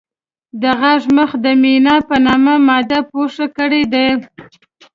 د غاښ مخ د مینا په نامه ماده پوښ کړی دی.